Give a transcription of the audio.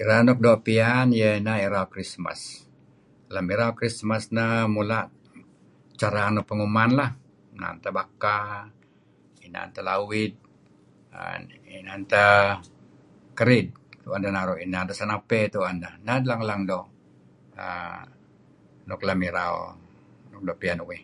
Irau nuk doo' piyanuih iyeh ineh irau Christmas. Lem irau Christmas ineh err mula' cara nuk penguman lah, inan teh baka inan teh lawid err inan teh kerid, inan teh senapey. Neh lang-lang doo' piyan uih lem irau.